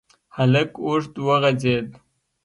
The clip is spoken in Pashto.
هلک اوږد وغځېد.